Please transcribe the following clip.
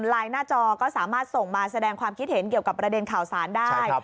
หน้าจอก็สามารถส่งมาแสดงความคิดเห็นเกี่ยวกับประเด็นข่าวสารได้